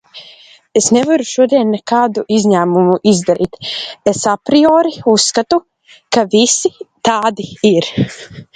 Es nevaru šodien nekādu izņēmumu izdarīt, es apriori uzskatu, ka visi tādi ir.